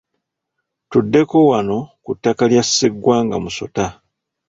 Tuddeko wano ku ttaka lya Sseggwanga Musota